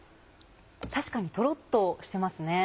確かにとろっとしてますね。